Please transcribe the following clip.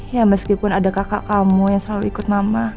ya meskipun ada kakak kamu yang selalu ikut nama